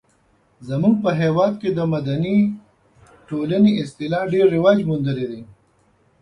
زموږ په هېواد کې د مدني ټولنې اصطلاح ډیر رواج موندلی دی.